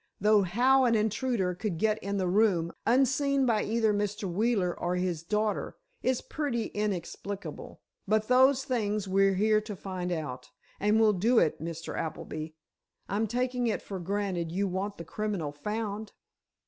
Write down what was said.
Though how an intruder could get in the room, unseen by either Mr. Wheeler or his daughter, is pretty inexplicable. But those things we're here to find out. And we'll do it, Mr. Appleby. I'm taking it for granted you want the criminal found?"